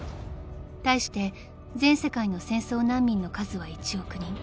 ［対して全世界の戦争難民の数は１億人］